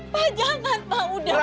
pak jangan pak udah